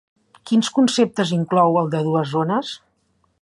Quins conceptes inclou el de dues zones?